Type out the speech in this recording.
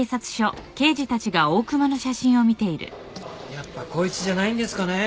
やっぱこいつじゃないんですかねえ。